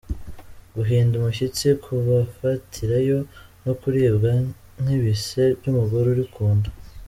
Guhinda imishyitsi kubafatirayo, No kuribwa nk’ibise by’umugore uri ku nda.